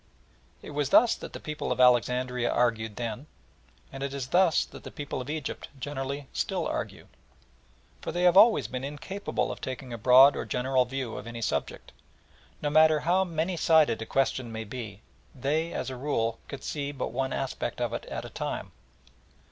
It was thus that the people of Alexandria argued then, and it is thus that the people of Egypt generally still argue. For they have always been incapable of taking a broad or general view of any subject. No matter how many sided a question may be, they, as a rule, can see but one aspect of it at a time.